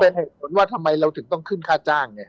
แล้วอันนี้ก็เป็นเหตุผลว่าทำไมเราถึงต้องขึ้นค่าจ้างเนี่ยฮะ